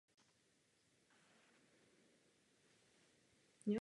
Dokazuje to korespondence mezi ním a jeho matkou.